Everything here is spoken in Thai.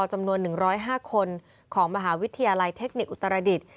จำนวนหนึ่งร้อยห้าคนของมหาวิทยาลัยเทคนิคอุตรศักดิต